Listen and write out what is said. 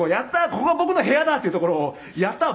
ここが僕の部屋だ”っていうところを“やったー！